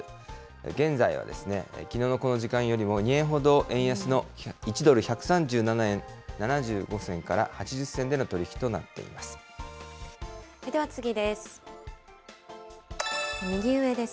現在はですね、きのうのこの時間よりも２円ほど円安の１ドル１３７円７５銭から８０銭での取り引きとなっています。